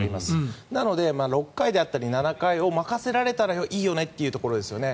なので、６回だったり７回を任せられたらいいよねというところですね。